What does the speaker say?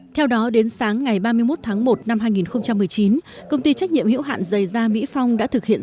theo đó đến sáng ngày ba mươi một tháng một năm hai nghìn một mươi chín công ty trách nhiệm hữu hạn dày gia mỹ phong đã thực hiện